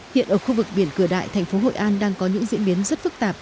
hiện ở khu vực biển cửa đại thành phố hội an đang có những diễn biến rất phức tạp